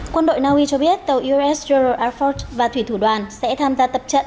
quân đội naui cho biết tàu us general air force và thủy thủ đoàn sẽ tham gia tập trận